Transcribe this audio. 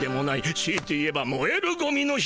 しいて言えばもえるゴミの日。